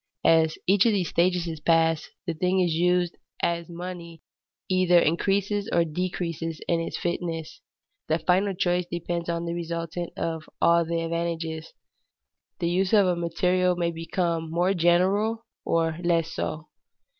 As each of these stages is passed, the thing used as money either increases or decreases in its fitness. The final choice depends on the resultant of all the advantages. The use of a material may become more general or less so.